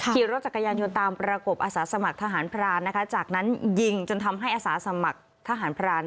ขี่รถจักรยานยนต์ตามประกบอาสาสมัครทหารพรานนะคะจากนั้นยิงจนทำให้อาสาสมัครทหารพราน